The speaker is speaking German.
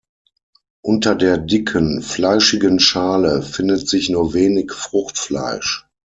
Unter der dicken, fleischigen Schale findet sich nur wenig Fruchtfleisch.